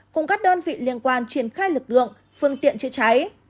cùng các đơn vị liên quan triển khai lực lượng phương tiện chữa cháy